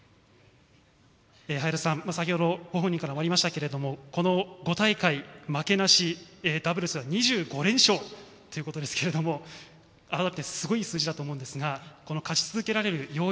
早田さん、先ほどご本人からもありましたけどこの５大会、負けなしダブルスは２５連勝ということですけど改めてすごい数字だと思うんですが勝ち続けられる要因